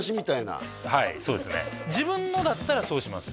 自分のだったらそうします